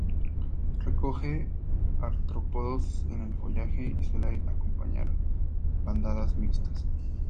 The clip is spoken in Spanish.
Recoge artrópodos en el follaje, y suele acompañar bandadas mixtas.